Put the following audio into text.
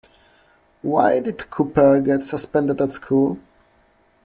Why did Cooper get suspended at school?